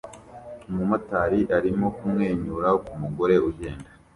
umumotari arimo kumwenyura ku mugore ugenda